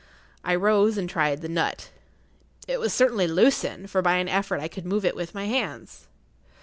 I rose and tried the nut. It was certainly loosened, for by an effort I could move it with my hands.